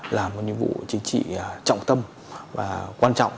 là một nhiệm vụ chính trị trọng tâm và quan trọng